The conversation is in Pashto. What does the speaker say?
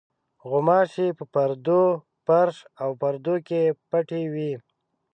غوماشې په پردو، فرش او پردو کې پټې وي.